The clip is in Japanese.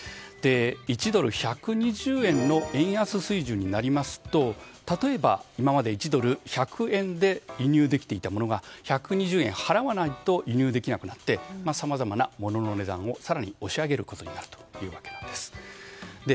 １ドル＝１２０円の円安水準になりますと例えば今まで１ドル＝１００円で輸入できていたものが１２０円払わないと輸入できなくなってさまざまな物の値段を更に押し上げることになります。